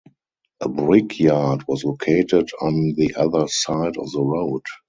A brickyard was located on the other side of the road.